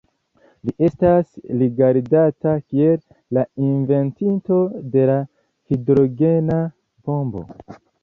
Li estas rigardata kiel la inventinto de la hidrogena bombo.